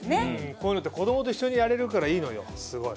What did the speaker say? こういうのって子どもと一緒にやれるからいいのよすごい。